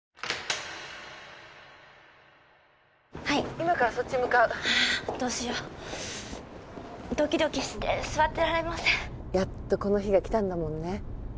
☎今からそっち向かうあどうしようドキドキして座ってられませんやっとこの日が来たんだもんね